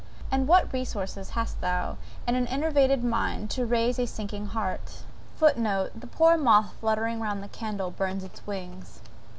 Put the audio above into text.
And what resource hast thou in an enervated mind to raise a sinking heart? (*Footnote. The poor moth fluttering round a candle, burns its wings.)